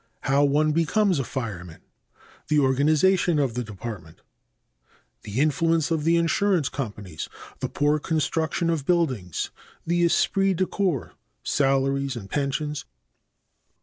How one becomes a fireman. The organization of the department. (a) The influence of the insurance companies. (b) The poor construction of buildings. (c) The esprit de corps. Salaries and pensions.